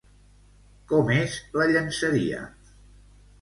Com és la llenceria?